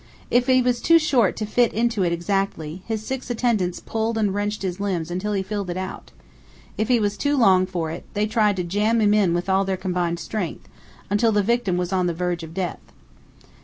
If he was too short to fit into it exactly, his six attendants pulled and wrenched his limbs until he filled it out; if he was too long for; it, they tried to jam him in with all their combined strength, until the victim was on the verge of death.